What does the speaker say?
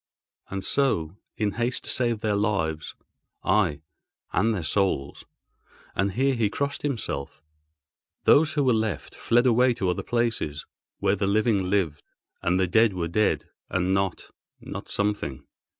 And so, in haste to save their lives (aye, and their souls!—and here he crossed himself) those who were left fled away to other places, where the living lived, and the dead were dead and not—not something.